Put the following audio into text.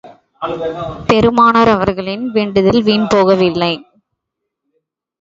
பெருமானார் அவர்களின் வேண்டுதல் வீண் போகவில்லை.